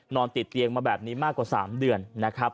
นอนติดเตียงมาแบบนี้มากกว่า๓เดือนนะครับ